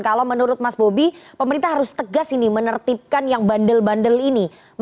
kalau menurut mas bobi pemerintah harus tegas ini menertibkan yang bandel bandel ini